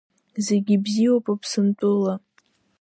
Зегьы бзиоуп Аԥсынтәыла.